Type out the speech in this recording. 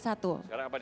sekarang apa nih